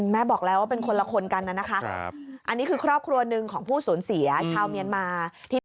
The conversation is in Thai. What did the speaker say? แม่บอกแล้วว่าเป็นคนละคนกันน่ะนะคะอันนี้คือครอบครัวหนึ่งของผู้สูญเสียชาวเมียนมาที่